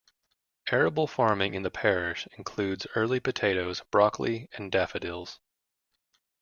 Arable farming in the parish includes early potatoes, broccoli and daffodils.